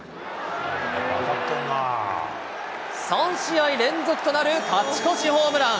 ３試合連続となる勝ち越しホームラン。